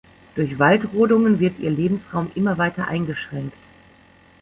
Durch Waldrodungen wird ihr Lebensraum immer weiter eingeschränkt.